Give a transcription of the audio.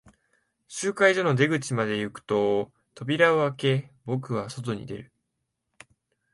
集会所の出口まで行くと、扉を開け、僕は外に出る。